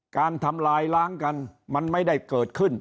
การทำลายล้างกันมันไม่ได้เกิดขึ้น